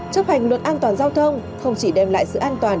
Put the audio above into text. chấp hành luật an toàn giao thông không chỉ đem lại sự an toàn